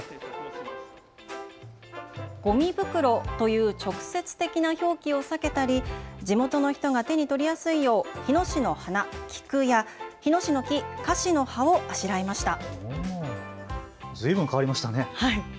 ごみ袋という直接的な表記を避けたり、地元の人が手に取りやすいよう日野市の花、菊や日野市の木、かしの葉をあしらいました。